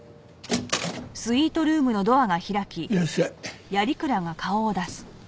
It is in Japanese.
いらっしゃい。